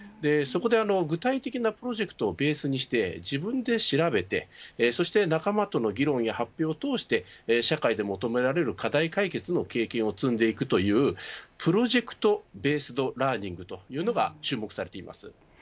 そこで具体的なプロジェクトをベースにして自分で調べて仲間との議論や発表をとおして社会で求められる課題解決の経験を積んでいくというプロジェクトベースドラーニングというのが注目されています。